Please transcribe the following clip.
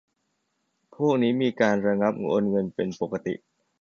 พวกนี้มีการรับโอนเงินเป็นปกติ